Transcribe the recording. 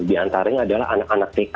di antaranya adalah anak anak tk